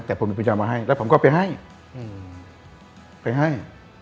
แต่ผมมีประจำมาให้แล้วผมก็ไปให้